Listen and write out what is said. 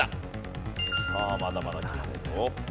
さあまだまだきますよ。